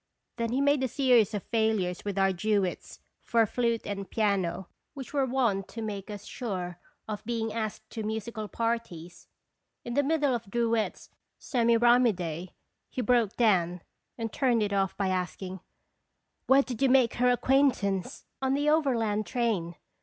Then he made a series of failures with our duets for flute and piano which were wont to make us sure of being asked to musical par ties. In the middle of Drouet's " Semiram ide" he broke down, and turned it off by asking: "Where did you make her acquaintance?" " On the overland train.